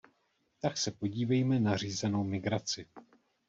Tak se podívejme na řízenou migraci.